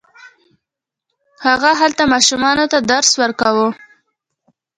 هغه هلته ماشومانو ته درس ورکاوه.